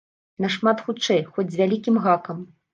Нашмат хутчэй, хоць з вялікім гакам.